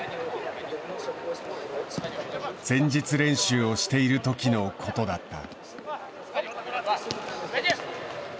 前日練習をしているときのことだった。